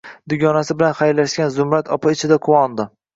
Dugonasi bilan xayrlashgan Zumrad opa ichida quvondi